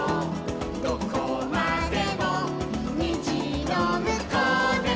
「どこまでもにじのむこうでも」